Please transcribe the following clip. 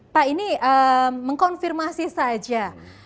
pak ini mengkonfirmasi saja